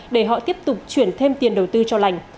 để họ tiếp tục chuyển thêm tiền đầu tư cho lành